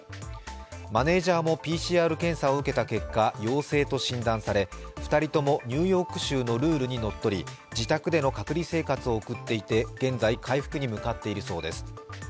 マネージャーもＰＣＲ検査を受けた結果、陽性と診断され２人ともニューヨーク州のルールにのっとり自宅での隔離生活を送っていて、現在回復に向かっているそうです。